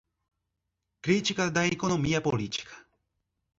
Crítica da Economia Política